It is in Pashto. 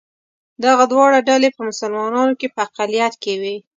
دغه دواړه ډلې په مسلمانانو کې په اقلیت کې وې.